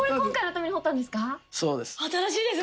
そうです。